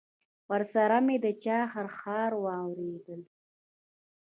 ورسره مې د چا خرهار واورېدل.